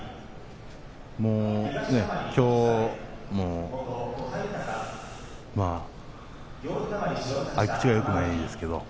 きょうも合い口はよくないですけれど。